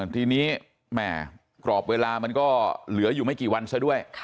ทีนี้แหม่กรอบเวลามันก็เหลืออยู่ไม่กี่วันซะด้วย